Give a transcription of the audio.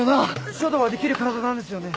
書道はできる体なんですよね？